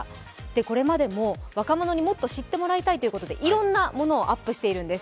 これまでも若者にもっと知ってもらいたいということで、いろんなものをアップしているんです。